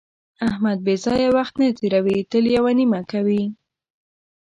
احمد بې ځایه وخت نه تېروي، تل یوه نیمه کوي.